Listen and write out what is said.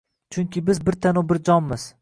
Chunki biz bir tanu bir jonmiz.